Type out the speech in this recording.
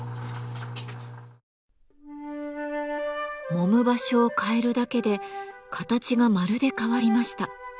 揉む場所を変えるだけで形がまるで変わりました。